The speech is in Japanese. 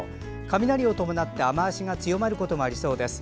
雷を伴って雨足が強まることもありそうです。